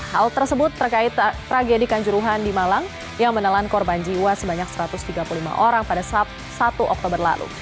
hal tersebut terkait tragedi kanjuruhan di malang yang menelan korban jiwa sebanyak satu ratus tiga puluh lima orang pada sabtu oktober lalu